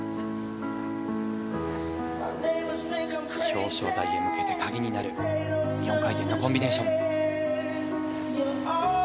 表彰台へ向けて鍵になる４回転のコンビネーション。